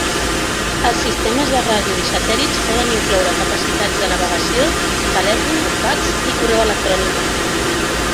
Els sistemes de ràdio i satèl·lits poden incloure capacitats de navegació, telèfon, fax i correu electrònic.